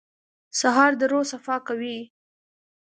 سهار د روح صفا کوي.